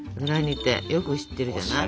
よく知ってるじゃない。